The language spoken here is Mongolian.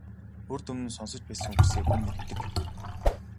Урьд өмнө нь сонсож байсан үгсээ хүн мэддэг.